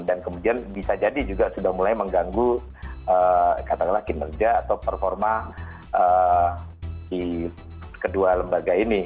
dan kemudian bisa jadi juga sudah mulai mengganggu kata laki laki kerja atau performa di kedua lembaga ini